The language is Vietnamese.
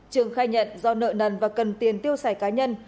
trường khai nhận do nợ nần và cần tiền tiêu xài cá nhân